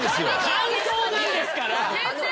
感想なんですから。